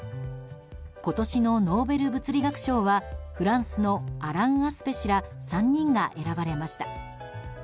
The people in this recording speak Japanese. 今年のノーベル物理学賞はフランスのアラン・アスペ氏ら３人が選ばれました。